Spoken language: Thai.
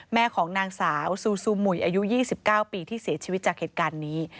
แม่ของนางสาวซูซูหมุยอายุ๒๙ปีที่เสียชีวิตจากเหตุการณ์นี้